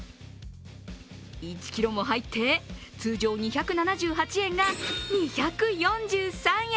１ｋｇも入って通常２７８円が２４３円。